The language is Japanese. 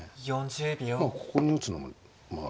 まあここに打つのもあるか。